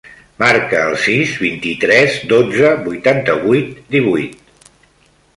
Marca el sis, vint-i-tres, dotze, vuitanta-vuit, divuit.